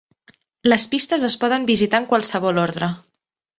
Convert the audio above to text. Les pistes es poden visitar en qualsevol ordre.